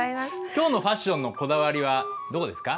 今日のファッションのこだわりはどこですか？